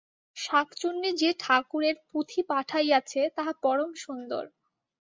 শাঁকচুন্নী যে ঠাকুরের পুঁথি পাঠাইয়াছে, তাহা পরম সুন্দর।